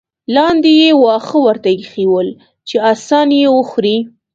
لاندې یې واښه ورته اېښي ول چې اسان یې وخوري.